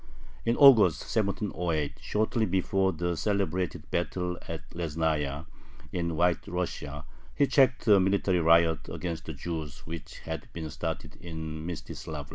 In August, 1708, shortly before the celebrated battle at Lesnaya, in White Russia, he checked a military riot against the Jews which had been started in Mstislavl.